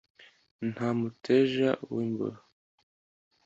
nta muteja w’imboro